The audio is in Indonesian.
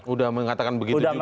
sudah mengatakan begitu juga ya